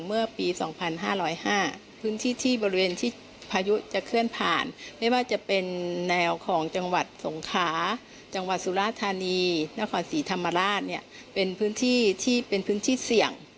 เมื่อปี๒๕๐๕พื้นที่ที่บริเวณที่พายุจะเคลื่อนผ่านไม่ว่าจะเป็นแนวของจังหวัดสงขาจังหวัดสุราธานีนครศรีธรรมราชเนี่ยเป็นพื้นที่ที่เป็นพื้นที่เสี่ยง